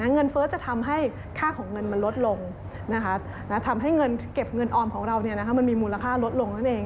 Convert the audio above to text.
เฟิร์สจะทำให้ค่าของเงินมันลดลงทำให้เงินเก็บเงินออมของเรามันมีมูลค่าลดลงนั่นเอง